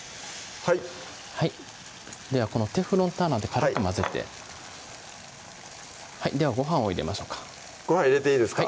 はいはいではこのテフロンターナーで軽く混ぜてではごはんを入れましょうかごはん入れていいですか？